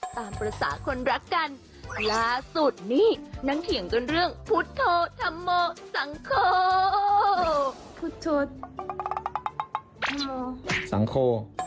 ตามภาษาคนรักกันล่าสุดนี่นั่งเถียงกันเรื่องพุทธธรรมโมสังคม